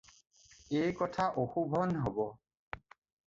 এই কথা অশোভন হ'ব